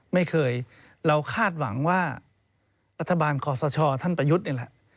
ไม่เคยเราคาดหวังว่ารัฐบาลขอสชท่านประยุทธ์นี่แหละ